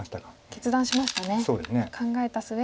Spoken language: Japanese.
決断しましたね。